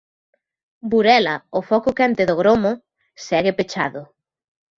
Burela, o foco quente do gromo, segue pechado.